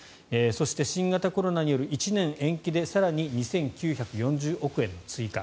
そして新型コロナによる１年延期で更に２９４０億円の追加。